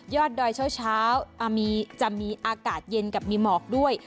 ดอยเช้าจะมีอากาศเย็นกับมีหมอกด้วย